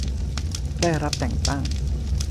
ได้รับแต่งตั้ง